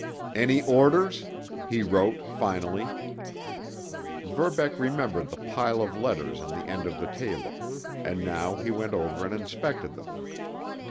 "Any orders?" he wrote finally. Verbeck remembered the pile of letters on the end of the table, and now he went over and inspected them.